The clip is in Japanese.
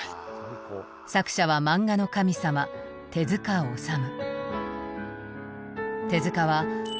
作者は漫画の神様手治虫。